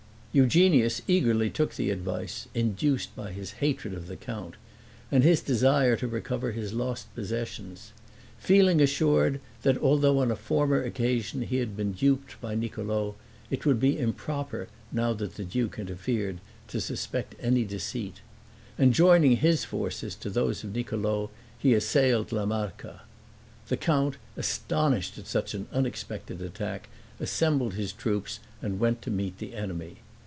Eugenius eagerly took the advice, induced by his hatred of the count, and his desire to recover his lost possessions; feeling assured that, although on a former occasion he had been duped by Niccolo, it would be improper, now that the duke interfered, to suspect any deceit; and, joining his forces to those of Niccolo, he assailed La Marca. The count, astonished at such an unexpected attack, assembled his troops, and went to meet the enemy.